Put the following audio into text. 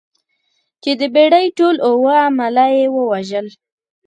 چې د بېړۍ ټول اووه عمله یې ووژل.